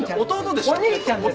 お兄ちゃんです。